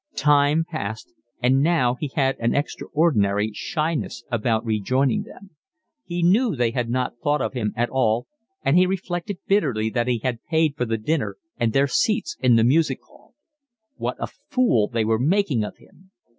Time passed, and now he had an extraordinary shyness about rejoining them. He knew they had not thought of him at all, and he reflected bitterly that he had paid for the dinner and their seats in the music hall. What a fool they were making of him!